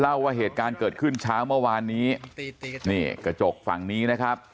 เล่าว่าเหตุการณ์เกิดขึ้นเช้าเมื่อวานนี้นี่กระจกฝั่งนี้นะครับ